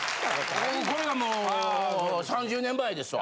もうこれがもう３０年前ですわ。